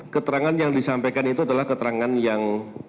keterangan yang disampaikan itu adalah keterangan yang